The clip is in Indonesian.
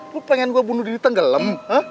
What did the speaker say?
lu pengen gua bunuh di tenggelam